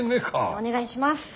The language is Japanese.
お願いします。